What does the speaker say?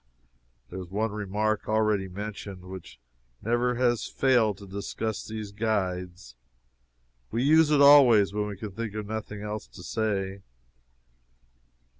There is one remark (already mentioned,) which never yet has failed to disgust these guides. We use it always, when we can think of nothing else to say.